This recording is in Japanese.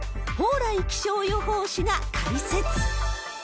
蓬莱気象予報士が解説。